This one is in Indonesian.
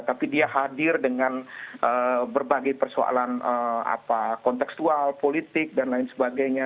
tapi dia hadir dengan berbagai persoalan konteksual politik dan lain sebagainya